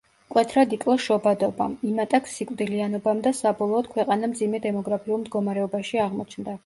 მკვეთრად იკლო შობადობამ, იმატა სიკვდილიანობამ და საბოლოოდ ქვეყანა მძიმე დემოგრაფიულ მდგომარეობაში აღმოჩნდა.